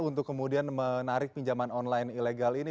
untuk kemudian menarik pinjaman online ilegal ini